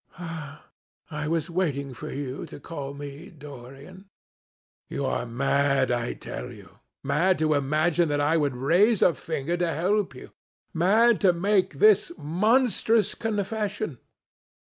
"Ah! I was waiting for you to call me Dorian." "You are mad, I tell you—mad to imagine that I would raise a finger to help you, mad to make this monstrous confession.